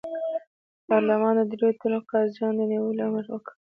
پارلمان د دریوو تنو قاضیانو د نیولو امر وکړ.